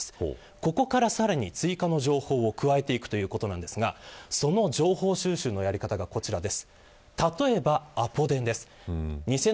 ここからさらに追加の情報を加えていくということなんですがその情報収集のやり方がこちらです。